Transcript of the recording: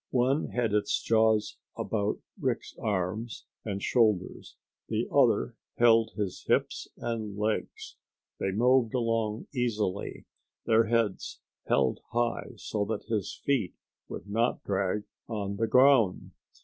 One had its jaws about Rick's arms and shoulders; the other held his hips and legs. They moved along easily, their heads held high so that his feet would not drag on the ground.